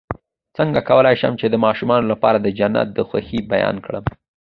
څنګه کولی شم د ماشومانو لپاره د جنت د خوښۍ بیان کړم